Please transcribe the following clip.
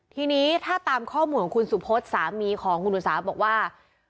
ทีนี้ถ้าตามข้อมูลของคุณสุพศสามีของคุณอุสาบอกว่า